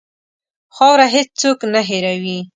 خاوره هېڅ څوک نه هېروي.